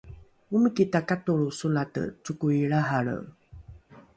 omiki takatolro solate cokoi lrahalre